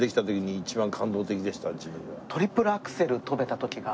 トリプルアクセル跳べた時が。